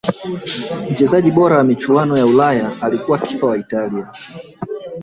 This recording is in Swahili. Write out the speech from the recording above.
mchezaji bora wa michuano ya ulaya alikuwa kipa wa italia